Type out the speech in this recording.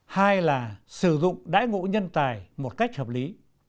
hai là sử dụng đãi ngũ nhân tài một cách hợp lý